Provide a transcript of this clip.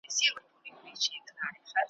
له چا ټوله نړۍ پاته له چا یو قلم پاتیږي ,